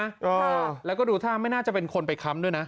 อ่าแล้วก็ดูท่าไม่น่าจะเป็นคนไปค้ำด้วยนะ